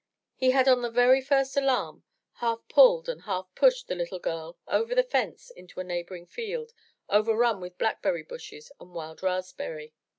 He had on the very first alarm half pulled and half pushed the little girl over the fence into a neighboring field overrun with black berry bushes and wild raspberry.